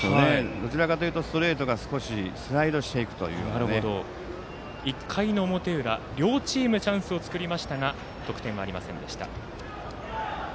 どちらかというとストレートが１回の表裏、両チームチャンスを作りましたが得点はありませんでした。